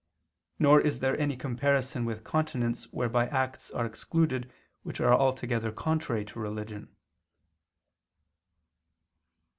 Nor is there any comparison with continence whereby acts are excluded which are altogether contrary to religion.